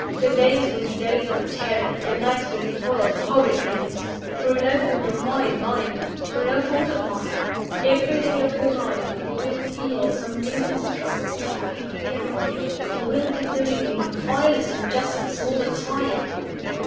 Your days will be days of terror; your nights will be full of horrid dreams through no fault of mine, mind! through no fault of mine! Every day of your life you will feel some new distrust, some growing fear of me, and you will be doing me the vilest injustice all the time.